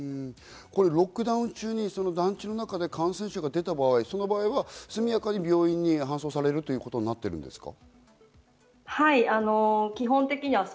ロックダウン中に団地の中で感染者が出た場合、速やかに搬送されるということになっているんですか？